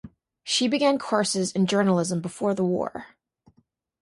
She began courses in journalism before the war.